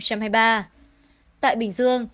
tại bình dương